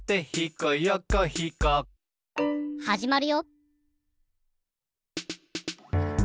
はじまるよ！